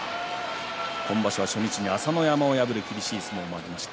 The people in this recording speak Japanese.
今場所は初日、朝乃山を破る厳しい相撲もありました。